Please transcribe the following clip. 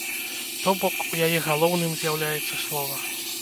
То бок, у яе галоўным з'яўляецца слова.